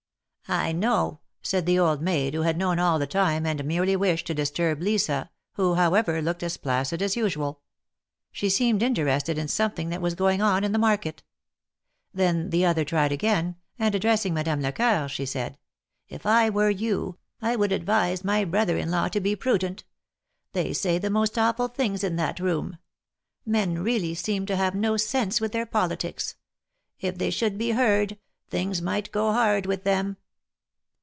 "I know," said the old maid, who had known all the time and merely wished to disturb Lisa, who, however, looked as placid as usual; she seemed interested in something that was going on in the market. Then the other tried again, and, addressing Madame Lecoeur, she said : "If I were you, I would advise my brother in law to be prudent. They say the most awful things in that room. Men really seem to have no sense with their politics. If they should be heard, things might go hard with them."